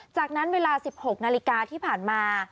จากนั้นเวลา๑๖นาฬิกาที่ผ่านมา